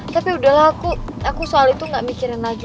tapi udahlah aku soal itu nggak mikirin lagi